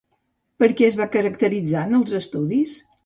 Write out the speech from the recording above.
Per què es va caracteritzar en els estudis?